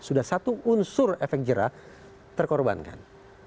sudah satu unsur efek jerah terkorbankan